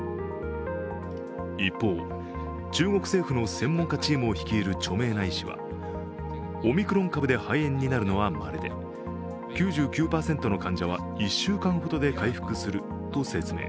一方、中国政府の専門家チームを率いる著名な医師はオミクロン株で肺炎になるのはまれで、９９％の患者は１週間ほどで回復すると説明。